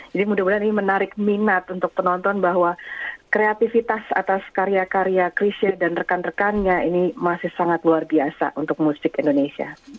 jadi mudah mudahan ini menarik minat untuk penonton bahwa kreatifitas atas karya karya kresher dan rekan rekannya ini masih sangat luar biasa untuk musik indonesia